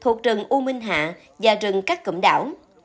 thuộc rừng u minh hạ và rừng các cẩm đảo